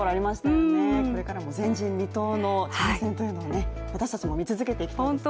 これからも前人未到の挑戦というのを私たちも見続けていきたいですね。